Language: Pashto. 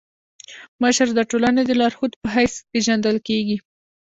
مشر د ټولني د لارښود په حيث پيژندل کيږي.